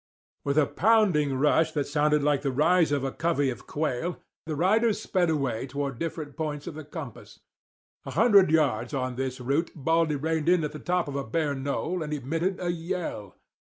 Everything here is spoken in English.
With a pounding rush that sounded like the rise of a covey of quail, the riders sped away toward different points of the compass. A hundred yards on his route Baldy reined in on the top of a bare knoll, and emitted a yell.